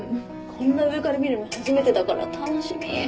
こんな上から見るの初めてだから楽しみ！